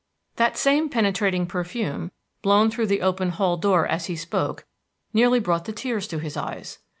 That same penetrating perfume, blown through the open hall door as he spoke, nearly brought the tears to his eyes.